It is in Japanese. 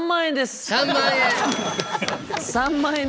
３万円。